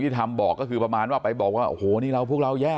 ทำบอกก็คือประมาณว่าไปบอกว่าโอ้โหนี่เราพวกเราแย่